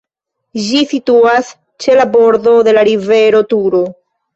Ĝi situas ĉe la bordo de la rivero Turo.